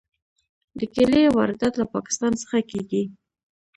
د کیلې واردات له پاکستان څخه کیږي.